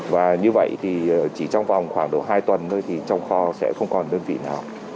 và như vậy thì chỉ trong vòng khoảng độ hai tuần thôi thì trong kho sẽ không còn đơn vị nào